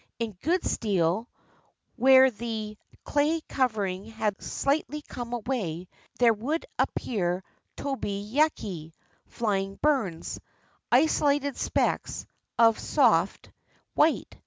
In good steel, where the clay covering had shghtly come away, there would ap pear tobi yaki, "flying burns," isolated specks of soft 383 JAPAN white.